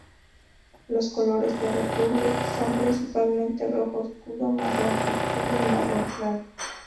Los colores de Republic son principalmente rojo oscuro, marrón oscuro y marrón claro.